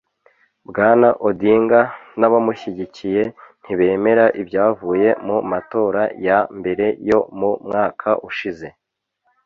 Bwana Odinga n’abamushigikiye ntibemera ibyavuye mu matora ya mbere yo mu mwaka ushize